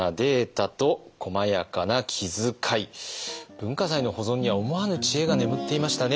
文化財の保存には思わぬ知恵が眠っていましたね。